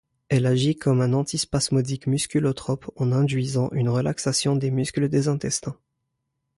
Elle agit comme un antispasmodique musculotrope, en induisant une relaxation des muscles des intestins.